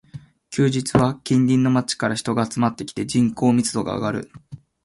休日は近隣の街から人が集まってきて、人口密度が上がる